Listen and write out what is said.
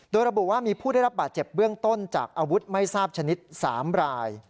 โดยระบุว่ามีผู้ได้รับบาดเจ็บเบื้องต้นจากอาวุธไม่ทราบชนิด๓ราย